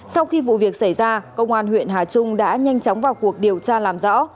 sau khi vụ việc xảy ra công an huyện hà trung đã nhanh chóng vào cuộc điều tra làm rõ